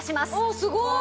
すごーい！